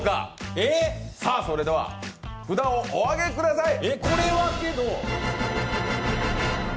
さあ、それでは札をお上げください。